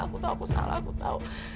aku tahu aku salah aku tahu